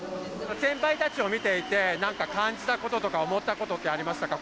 先輩たちを見ていて何か感じたこととか思ったことってありましたか？